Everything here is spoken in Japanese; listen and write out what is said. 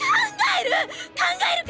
考える！